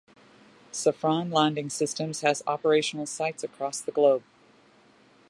Safran Landing Systems has operational sites across the globe.